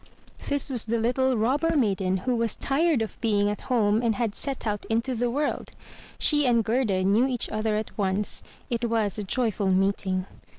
This was the little Robber maiden who was 324 THROUGH FAIRY HALLS tired of being at home and had set out into the world. She and Gerda knew each other at once. It was a joyful meeting.